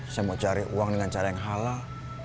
saya mau cari uang dengan cara yang halal